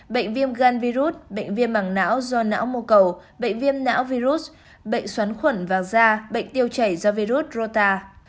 bệnh viêm gan virus bệnh viêm mảng não do não mô cầu bệnh viêm não virus bệnh xoắn khuẩn và da bệnh tiêu chảy do virus rota